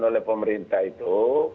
oleh pemerintah itu